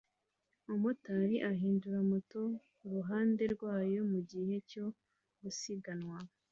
Umumotari ahindura moto kuruhande rwayo mugihe cyo gusiganwa